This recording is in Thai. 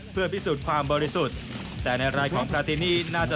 เพื่อพิสูจน์ความบริสุทธิ์